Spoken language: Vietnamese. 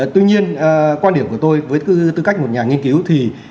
tuy nhiên quan điểm của tôi với tư cách một nhà nghiên cứu thì